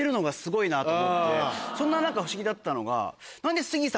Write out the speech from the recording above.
そんな中不思議だったのが。